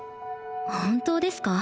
本当ですか？